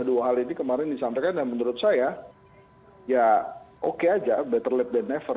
dua hal ini kemarin disampaikan dan menurut saya ya oke aja better lead than never